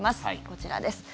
こちらです。